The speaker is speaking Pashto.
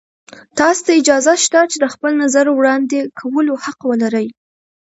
تاسې ته اجازه شته چې د خپل نظر وړاندې کولو حق ولرئ.